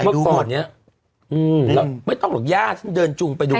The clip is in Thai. เมื่อก่อนเนี่ยไม่ต้องหรอกย่าจะเดินจุ่มไปดู